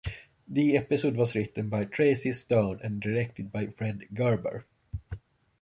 The episode was written by Tracey Stern and was directed by Fred Gerber.